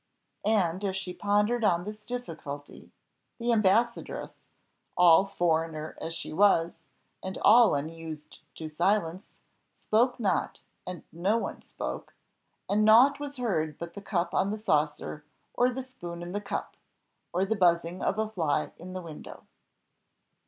And, as she pondered on this difficulty, the ambassadress, all foreigner as she was, and all unused to silence, spoke not, and no one spoke: and nought was heard but the cup on the saucer, or the spoon in the cup, or the buzzing of a fly in the window.